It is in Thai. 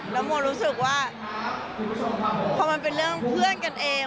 แล้วโมรู้สึกว่าพอมันเป็นเรื่องเพื่อนกันเอง